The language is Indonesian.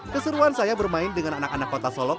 keseruan saya bermain dengan anak anak kota solok